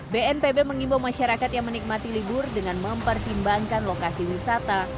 bnpb mengimbau masyarakat yang menikmati libur dengan mempertimbangkan lokasi wisata